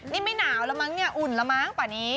นี่ไม่หนาวแล้วหรือมั้งอ่นแล้วหมากป่ะนี้